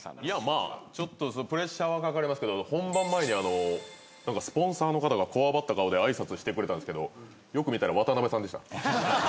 まあちょっとプレッシャーはかかりますけど本番前にスポンサーの方がこわばった顔で挨拶してくれたんですけどよく見たら渡辺さんでした。